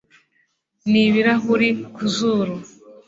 Nibirahuri ku zuru